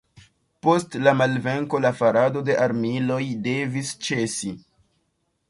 Post la malvenko la farado de armiloj devis ĉesi.